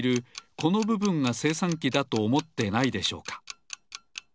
このぶぶんがせいさんきだとおもってないでしょうか？